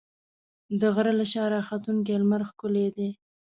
د غره له شا راختونکی لمر ښکلی دی.